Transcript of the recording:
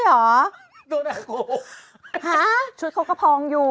ตัวหน้าโค้งฮะชุดโค้งกระพองอยู่